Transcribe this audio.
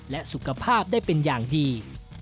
และสุขภาพได้เป็นอย่างดี